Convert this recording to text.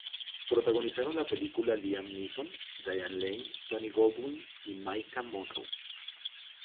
Protagonizaron la película Liam Neeson, Diane Lane, Tony Goldwyn y Maika Monroe.